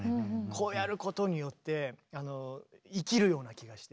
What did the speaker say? こうやることによって生きるような気がして。